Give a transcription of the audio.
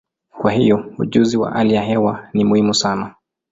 Kwa hiyo, ujuzi wa hali ya hewa ni muhimu sana.